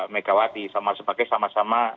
megawati sama sebagai sama sama